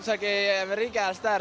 sama kayak amerika star